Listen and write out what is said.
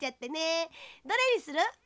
どれにする？